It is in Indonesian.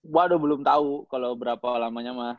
waduh belum tau kalau berapa lamanya mah